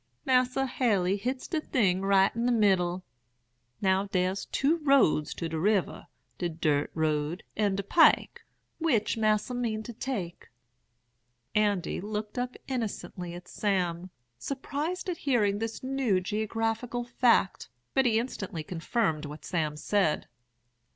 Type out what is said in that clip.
'Mas'r Haley hits de thing right in de middle. Now, der's two roads to de river, de dirt road and der pike. Which Mas'r mean to take?' "Andy looked up innocently at Sam, surprised at hearing this new geographical fact; but he instantly confirmed what Sam said.